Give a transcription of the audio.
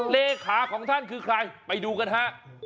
เลขาของท่านคือใครไปดูกันฮะ